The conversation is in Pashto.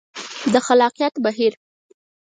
د خلاقیت بهیر